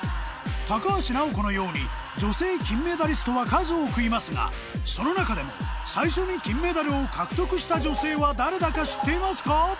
高橋尚子のように女性金メダリストは数多くいますがその中でも最初に金メダルを獲得した女性は誰だか知っていますか？